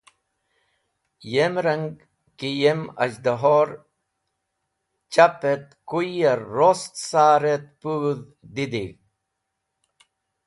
Yem rang, ki yem az̃hdahore chap et kuy ya rost sar et pũdh didig̃h.